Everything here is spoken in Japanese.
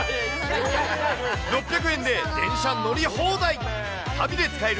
６００円で電車乗り放題。